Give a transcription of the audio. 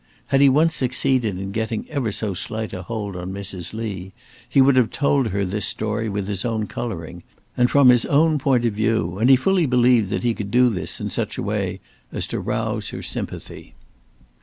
Had he once succeeded in getting ever so slight a hold on Mrs. Lee he would have told her this story with his own colouring, and from his own point of view, and he fully believed he could do this in such a way as to rouse her sympathy.